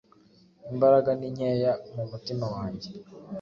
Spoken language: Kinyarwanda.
Imbaraga ninkeya mumutima wangee